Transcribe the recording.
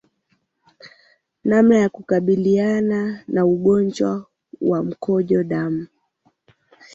Namna ya kukabiliana na ugonjwa wa mkojo damu